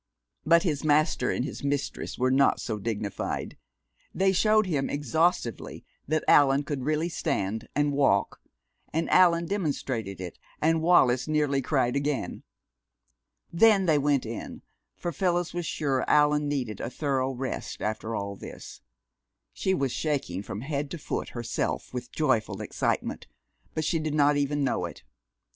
But his master and his mistress were not so dignified. They showed him exhaustively that Allan could really stand and walk, and Allan demonstrated it, and Wallis nearly cried again. Then they went in, for Phyllis was sure Allan needed a thorough rest after all this. She was shaking from head to foot herself with joyful excitement, but she did not even know it.